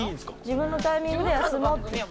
自分のタイミングで休もう。